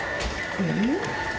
えっ？